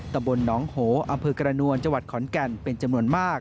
ตำบลหนองโหอำเภอกระนวลจังหวัดขอนแก่นเป็นจำนวนมาก